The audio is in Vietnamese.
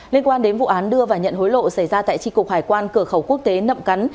liên quan đến vụ án đưa và nhận hối lộ xảy ra tại tri cục hải quan cửa khẩu quốc tế nậm cắn